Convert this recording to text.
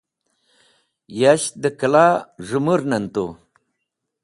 Yasht dẽ kẽla z̃hẽmũrnẽn tu.